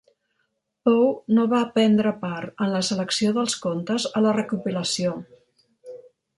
Poe no va prendre part en la selecció dels contes a la recopilació.